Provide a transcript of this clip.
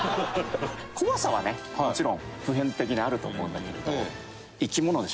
怖さはねもちろん普遍的にあると思うんだけれど生き物でしょ？